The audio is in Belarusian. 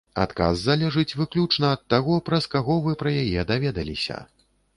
Адказ залежыць выключна ад таго, праз каго вы пра яе даведаліся.